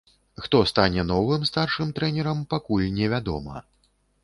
Хто стане новым старшым трэнерам, пакуль невядома.